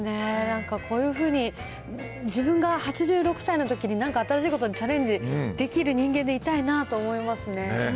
なんかこういうふうに、自分が８６歳のときに、なんか新しいことにチャレンジできる人間でいたいなと思いますね。